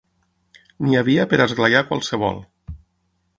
N'hi havia per a esglaiar qualsevol.